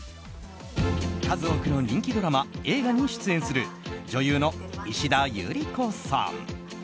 数多くの人気ドラマ・映画に出演する女優の石田ゆり子さん。